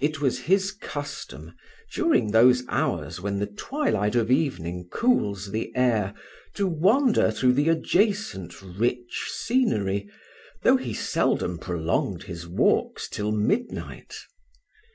It was his custom, during those hours when the twilight of evening cools the air, to wander through the adjacent rich scenery, though he seldom prolonged his walks till midnight.